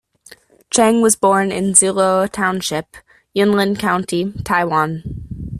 Chang was born in Xiluo Township, Yunlin County, Taiwan.